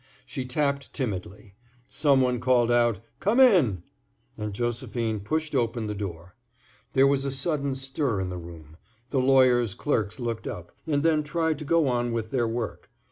She tapped timidly. Some one called out, "Come in!" and Josephine pushed open the door. There was a sudden stir in the room. The lawyers' clerks looked up, and then tried to go on with their work.